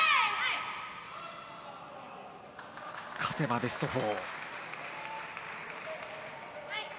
勝てばベスト４。